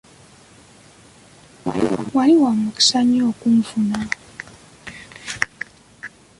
Wali wa mukisa nnyo okunfuna.